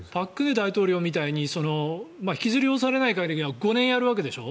朴槿惠大統領みたいに引きずり下ろされない限りは５年やるわけでしょ。